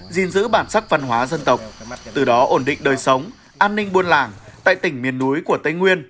gìn giữ bản sắc văn hóa dân tộc từ đó ổn định đời sống an ninh buôn làng tại tỉnh miền núi của tây nguyên